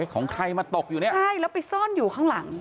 ของใครมาตกอยู่เนี่ยใช่แล้วไปซ่อนอยู่ข้างหลัง